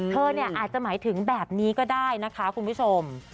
เธอเนี่ยอาจจะหมายถึงแบบนี้ก็ได้นะคะคุณผู้ชม